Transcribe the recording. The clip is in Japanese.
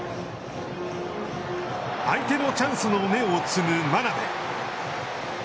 相手のチャンスの芽を摘む真鍋。